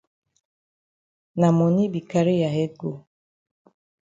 Na moni be carry ya head go.